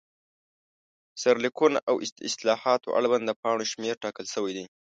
سرلیکونه، او د اصطلاحاتو اړوند د پاڼو شمېر ټاکل شوی دی.